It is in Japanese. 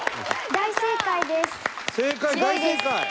大正解！